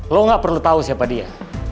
lo gak perlu tahu siapa dia